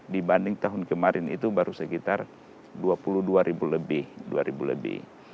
dibanding tahun kemarin itu baru sekitar dua puluh dua lebih